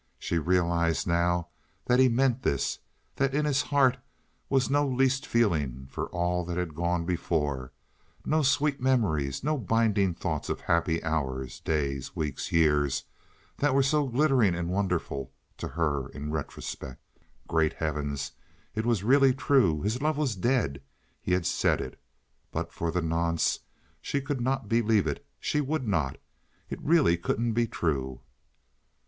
She realized now that he meant this—that in his heart was no least feeling for all that had gone before—no sweet memories, no binding thoughts of happy hours, days, weeks, years, that were so glittering and wonderful to her in retrospect. Great Heavens, it was really true! His love was dead; he had said it! But for the nonce she could not believe it; she would not. It really couldn't be true.